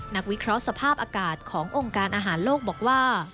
วิเคราะห์สภาพอากาศขององค์การอาหารโลกบอกว่า